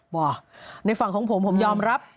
บอกในฝั่งของผมผมยอมรับ